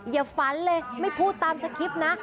ฝันเลยไม่พูดตามสคริปต์นะ